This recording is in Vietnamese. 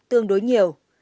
tương đối nhiều